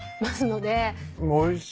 ますので。